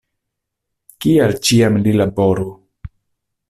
Kial ĉiam li laboru!